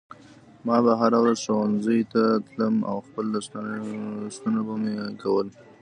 ما به هره ورځ ښوونځي ته تلم او خپل لوستونه به مې کول